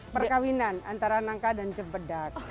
perkahwinan antara nangka dan cempedak